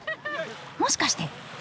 もしかして。